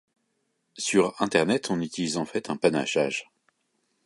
Sur Internet on utilise en fait un panachage.